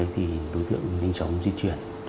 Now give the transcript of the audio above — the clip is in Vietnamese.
thì đối tượng nhanh chóng di chuyển